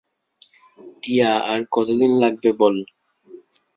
টিয়া, আর কত দিন লাগবে বল?